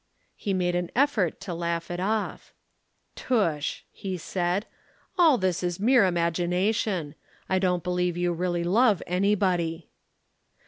He made an effort to laugh it off. "Tush!" he said, "all this is mere imagination. I don't believe you really love anybody!"